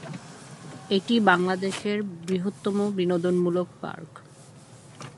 এটি বাংলাদেশের বৃহত্তম বিনোদনমূলক পার্ক।